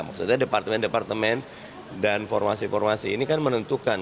maksudnya departemen departemen dan formasi formasi ini kan menentukan